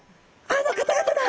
あの方々だ！